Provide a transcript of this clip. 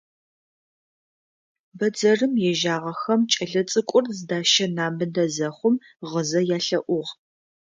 Бэдзэрым ежьагъэхэм кӏэлэцӏыкӏур зыдащэн амыдэ зэхъум гъызэ ялъэӏугъ.